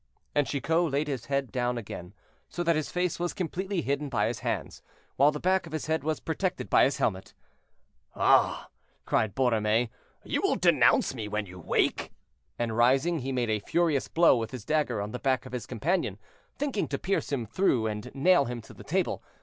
And Chicot laid his head down again, so that his face was completely hidden by his hands, while the back of his head was protected by his helmet. "Ah!" cried Borromée, "you will denounce me when you wake!" and, rising, he made a furious blow with his dagger on the back of his companion, thinking to pierce him through and nail him to the table.